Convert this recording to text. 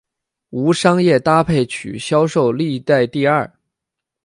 无商业搭配曲销售历代第二。